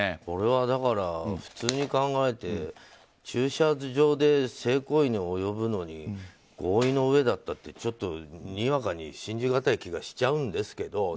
これは、普通に考えて駐車場で性行為に及ぶのに合意の上だったってちょっと、にわかに信じがたい気がしちゃうんですけど。